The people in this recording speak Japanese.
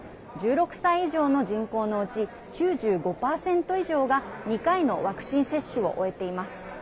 １６歳以上の人口のうち９５％以上が２回のワクチン接種を終えています。